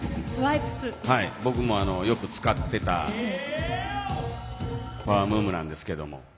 僕も、よく使っていたパワームーブなんですけど。